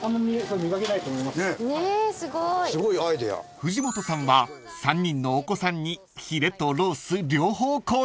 ［藤本さんは３人のお子さんにヒレとロース両方購入］